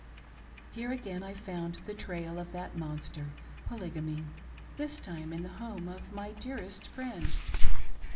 Here again I found the trail of that monster — Polygamy. This time in the home' of my dearest friend.